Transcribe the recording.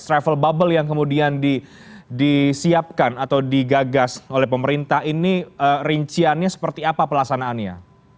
travel bubble yang kemudian disiapkan atau digagas oleh pemerintah ini rinciannya seperti apa pelaksanaannya